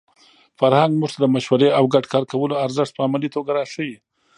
فرهنګ موږ ته د مشورې او ګډ کار کولو ارزښت په عملي توګه راښيي.